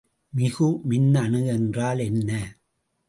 மிகுமின்னணு என்றால் என்ன?